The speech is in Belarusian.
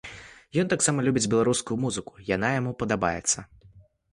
Ён таксама любіць беларускую музыку, яна яму падабаецца.